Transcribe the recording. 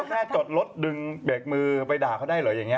แค่จดรถดึงเบรกมือไปด่าเขาได้เหรออย่างนี้